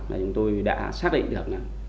và chúng tôi đã xác định được